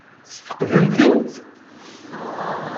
Ssfeqden-tent?